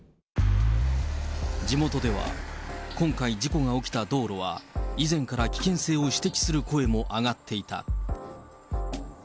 地元では、今回事故が起きた道路は、以前から危険性を指摘する声も上がっていた。